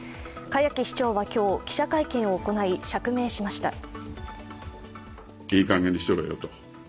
栢木市長は今日、記者会見を行い、釈明しました。